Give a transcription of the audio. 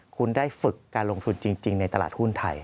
คุณได้ฝึกการลงทุนจริงในตลาดหุ้นไทย